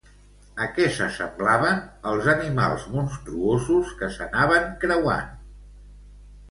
A què s'assemblaven els animals monstruosos que s'anaven creuant?